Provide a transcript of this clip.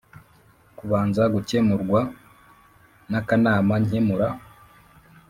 kubanza gukemurwa n akanama nkemura